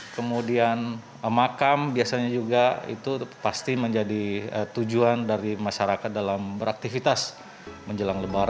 kemudian makam biasanya juga itu pasti menjadi tujuan dari masyarakat dalam beraktivitas menjelang lebaran